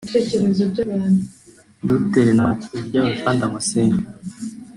Dr Ntawukuriryayo Jean Damascene